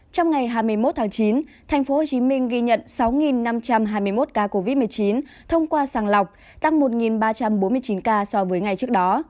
trong ngày hai mươi một tháng chín thành phố hồ chí minh ghi nhận sáu năm trăm hai mươi một ca covid một mươi chín thông qua sàng lọc tăng một ba trăm bốn mươi chín ca so với ngày trước đó